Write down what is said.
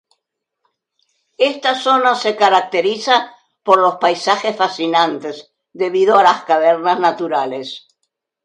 Esta zona se caracteriza por los paisajes fascinantes, debido a las cavernas naturales.